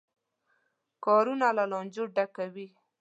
کارونه له لانجو ډکوي.